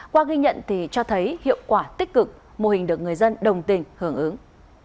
qua ghi nhận thì cho thấy hiệu quả tích cực mô hình được người dân đồng tình hưởng ứng